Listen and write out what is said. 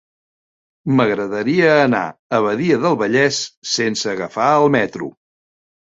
M'agradaria anar a Badia del Vallès sense agafar el metro.